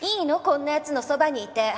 こんなやつのそばにいて。